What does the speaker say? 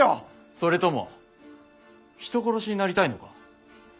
それとも人殺しになりたいのか？